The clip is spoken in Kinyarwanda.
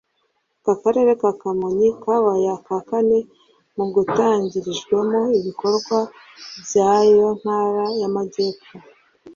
Aka karere ka Kamonyi kabaye aka kane mu gatangirijwemo ibikorwa bya yo mu Ntara y’amajyepfo